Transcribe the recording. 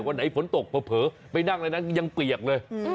วันไหนฝนตกเผลอไปนั่งเลยนะยังเปียกเลย